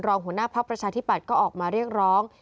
รองหัวหน้าภักดิ์ประชาธิบัตรก็ออกมาเรียกร้อง